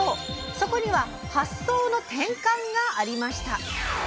そこには「発想の転換」がありました。